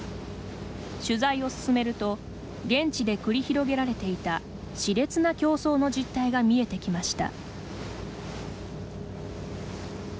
取材を進めると現地で繰り広げられていたしれつな競争の実態が見えてきました。